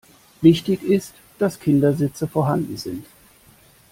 Wichtig ist, dass Kindersitze vorhanden sind.